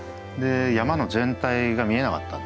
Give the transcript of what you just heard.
山の全体が見えなかった。